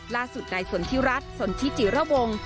ล่าสุดในส่วนที่รัฐส่วนทิจิระวง